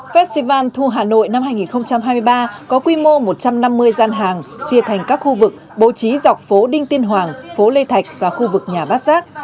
festival thu hà nội năm hai nghìn hai mươi ba có quy mô một trăm năm mươi gian hàng chia thành các khu vực bố trí dọc phố đinh tiên hoàng phố lê thạch và khu vực nhà bát giác